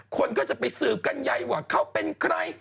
คนก็จะไปสืบกันใยว่าเขาเป็นใคร